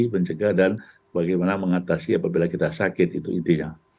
mencegah dan bagaimana mengatasi apabila kita sakit itu intinya